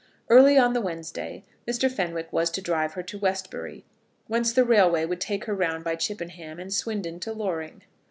Early on the Wednesday Mr. Fenwick was to drive her to Westbury, whence the railway would take her round by Chippenham and Swindon to Loring.